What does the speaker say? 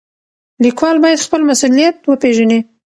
لیکوال باید خپل مسولیت وپېژني.